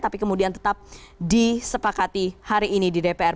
tapi kemudian tetap disepakati hari ini di dpr